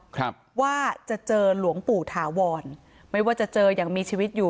ครับว่าจะเจอหลวงปู่ถาวรไม่ว่าจะเจอยังมีชีวิตอยู่